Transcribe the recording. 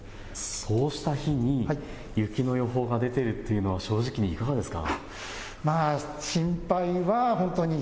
そうした日に雪の予報が出ているのは正直にいかがですか。